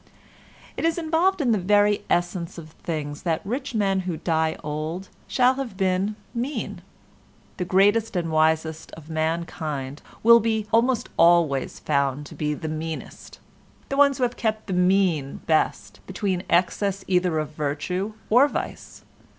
It is involved in the very essence of things that rich men who die old shall have been mean. The greatest and wisest of mankind will be almost always found to be the meanest—the ones who have kept the "mean" best between excess either of virtue or vice.